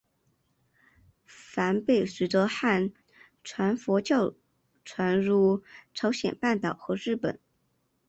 梵呗随着汉传佛教传入朝鲜半岛和日本。